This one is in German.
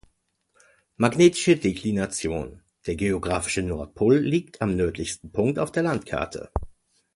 Magnetische Deklination: Der geographische Nordpol liegt am nördlichsten Punkt auf der Landkarte.